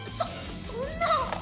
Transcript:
そそんな。